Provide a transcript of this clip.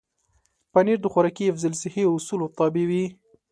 پنېر د خوراکي حفظ الصحې اصولو تابع وي.